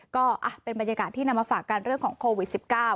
ก็เป็นบรรยากาศที่นำมาฝากกันเรื่องของโควิด๑๙